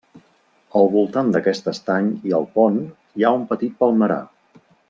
Al voltant d'aquest estany i el pont, hi ha un petit palmerar.